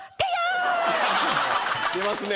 出ますね。